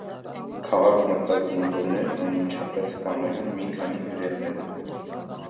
Քաղաք մտած զինվորներն անմիջապես սպանել են մի քանի հրեաների։